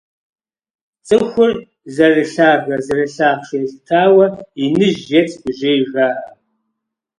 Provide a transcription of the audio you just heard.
ЦӀыхур зэрылъагэ-зэрылъахъшэ елъытауэ «иныжь» е «цӀыкӀужьей» жаӀэ.